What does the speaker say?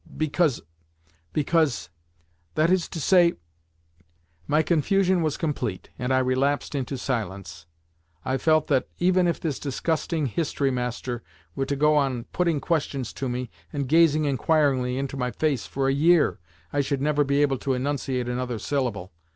"Because—because—that is to say—" My confusion was complete, and I relapsed into silence, I felt that, even if this disgusting history master were to go on putting questions to me, and gazing inquiringly into my face, for a year, I should never be able to enunciate another syllable.